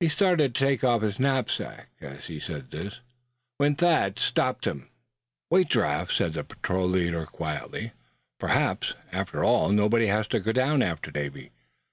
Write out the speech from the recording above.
He started to take off his knapsack as he said this, when Thad stopped him. "Wait, Giraffe," said the patrol leader, quietly; "perhaps, after all, nobody has to go down after Davy.